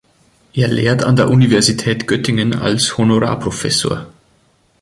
Er lehrt an der Universität Göttingen als Honorarprofessor.